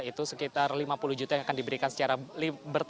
itu sekitar lima puluh juta yang akan diberikan secara bertahap